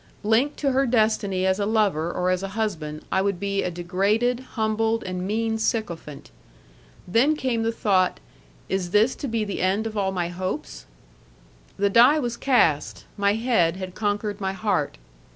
Linked to her destiny as a lover or as a husband, I would be a degraded, humbled, and mean sycophant. Then came the thought, Is this to be the end of all my hopes? The die was cast, my head had conquered my heart.